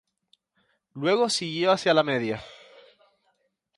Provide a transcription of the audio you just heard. Luego siguió hacia la Media.